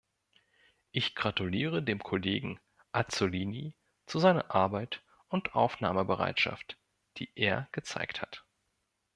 Ich gratuliere dem Kollegen Azzolini zu seiner Arbeit und Aufnahmebereitschaft, die er gezeigt hat.